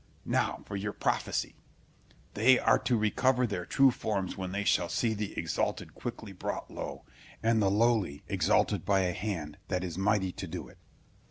Now for your prophecy:—"They are to recover their true forms when they shall see the exalted quickly brought low, and the lowly exalted by a hand that is mighty to do it."